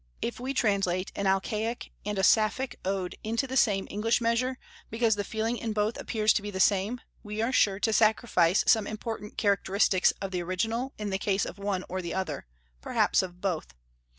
If we translate an Alcaic and a Sapphic Ode into the same English measure, because the feeling in both appears to be the same, we are sure to sacrifice some important characteristic of the original in the case of one or the other, perhaps of both.